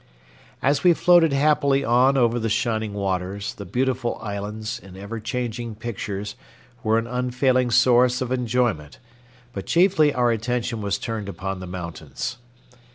As we floated happily on over the shining waters, the beautiful islands, in ever changing pictures, were an unfailing source of enjoyment; but chiefly our attention was turned upon the mountains.